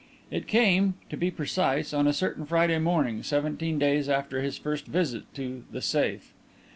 It came, to be precise, on a certain Friday morning, seventeen days after his first visit to "The Safe."